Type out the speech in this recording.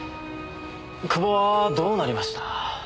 久保はどうなりました？